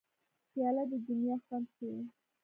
پیاله د دنیا خوند ښيي.